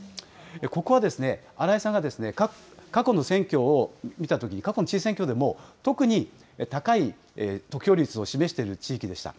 ここは荒井さんが過去の選挙を見たときに、過去の知事選挙でも、特に高い得票率を示している地域でした。